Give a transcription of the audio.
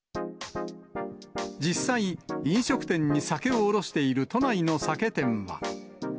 実際、飲食店に酒を卸している都内の酒店は。